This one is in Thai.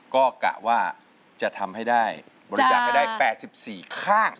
ก็กะว่าจะทำให้ได้บริจาคให้ได้๘๔ข้าง